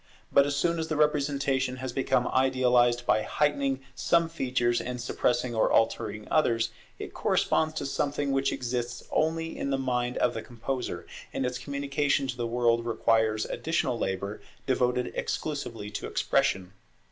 But as soon as the representation has become idealized by heightening some features and suppressing or altering others, it corresponds to something which exists only in the mind of the composer; and its communication to the world requires additional labour devoted exclusively to Expression.